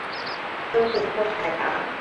曾祖父海达。